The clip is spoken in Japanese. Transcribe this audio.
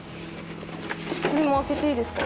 これも開けていいですか？